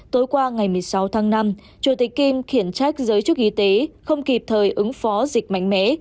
tối qua ngày một mươi sáu tháng năm chủ tịch kim khiển trách giới chức y tế không kịp thời ứng phó dịch mạnh mẽ